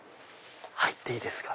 入っていいですか？